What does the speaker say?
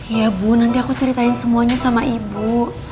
iya bu nanti aku ceritain semuanya sama ibu